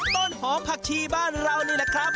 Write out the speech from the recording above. ต้นหอมผักชีบ้านเรานี่แหละครับ